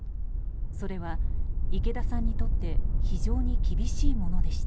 それは池田さんにとって非常に厳しいものでした。